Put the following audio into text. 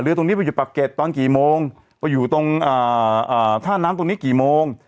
ตรงนี้ไปอยู่ปากเก็ตตอนกี่โมงไปอยู่ตรงท่าน้ำตรงนี้กี่โมง